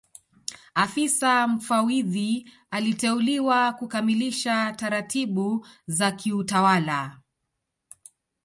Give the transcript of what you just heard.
Afisa Mfawidhi aliteuliwa kukamilisha taratibu za kiutawala